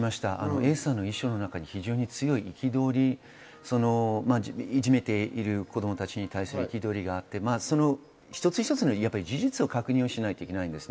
Ａさんの遺書の中に強い憤り、いじめている子供たちに対するものがあって事実を確認しないといけないです。